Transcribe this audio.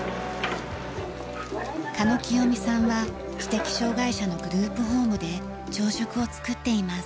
加埜貴代美さんは知的障害者のグループホームで朝食を作っています。